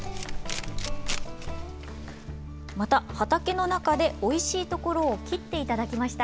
また、畑の中でおいしいところを切っていただきました。